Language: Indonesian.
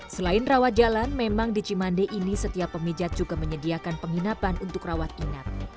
selain rawat jalan memang di cimande ini setiap pemijat juga menyediakan penginapan untuk rawat inap